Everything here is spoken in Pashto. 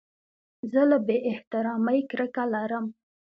زه له بې احترامۍ کرکه لرم.